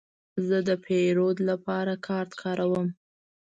زه د پیرود لپاره کارت کاروم.